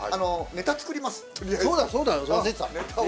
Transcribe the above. ネタを作ります。